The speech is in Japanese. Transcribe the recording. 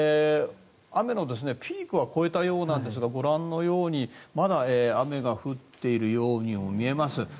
雨のピークは越えたようなんですがご覧のようにまだ雨が降っているようにも見えます。